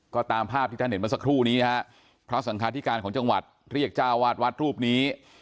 ก็ตามภาพที่ท่านเห็นเมื่อสักครู่นี้นะฮะพระสังคาธิการของจังหวัดเรียกเจ้าวาดวัดรูปนี้